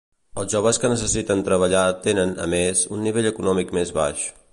Els joves que necessiten treballar tenen, a més, un nivell econòmic més baix.